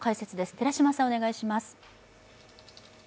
寺島さんお願いします。